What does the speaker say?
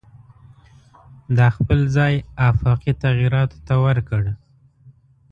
دا خپل ځای آفاقي تغییراتو ته ورکړ.